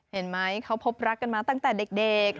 เห็นไหมเขาพบรักกันมาตั้งแต่เด็ก